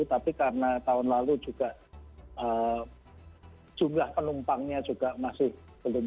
tapi karena tahun lalu juga jumlah penumpangnya juga masih belum